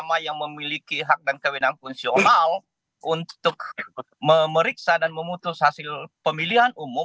nama yang memiliki hak dan kewenangan fungsional untuk memeriksa dan memutus hasil pemilihan umum